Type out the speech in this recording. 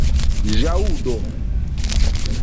ĵaŭdo